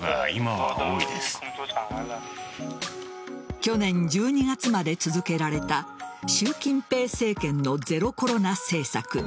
去年１２月まで続けられた習近平政権のゼロコロナ政策。